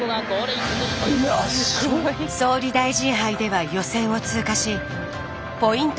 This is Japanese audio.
総理大臣杯では予選を通過しポイント